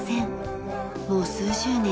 もう数十年